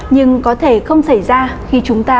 nhưng có thể không xảy ra khi chúng ta